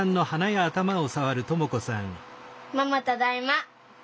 ママただいま。